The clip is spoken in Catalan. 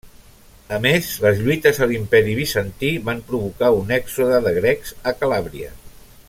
A més, les lluites a l'Imperi Bizantí van provocar un èxode de grecs a Calàbria.